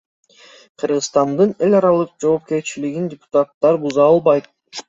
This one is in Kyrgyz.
Кыргызстандын эл аралык жоопкерчилигин депутаттар буза албайт.